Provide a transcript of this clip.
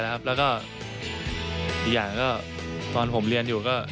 ที่อีกอย่างก็ตอนผมเรียนอยู่